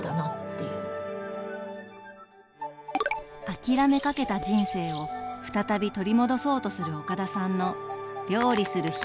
諦めかけた人生を再び取り戻そうとする岡田さんの「料理する日々」を描きます。